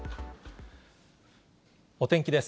お天気です。